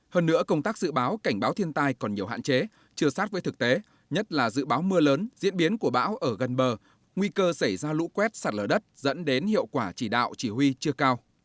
hơn nữa công tác dự báo cảnh báo thiên tai còn nhiều hạn chế chưa sát với thực tế nhất là dự báo mưa lớn diễn biến của bão ở gần bờ nguy cơ xảy ra lũ quét sạt lở đất dẫn đến hiệu quả chỉ đạo chỉ huy chưa cao